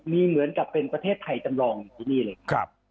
มีเหมือนกับเป็นประเทศไทยจำลองอยู่ที่นี่เลยครับ